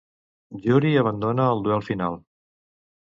Juri abandona el duel final.